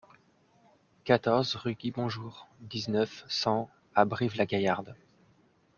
quatorze rue Guy Bonjour, dix-neuf, cent à Brive-la-Gaillarde